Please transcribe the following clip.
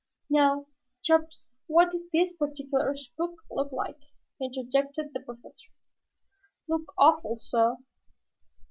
"Now, Chops, what did this particular spook look like?" interjected the Professor. "Look awful, sah!"